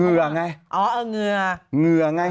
เหงื่อไง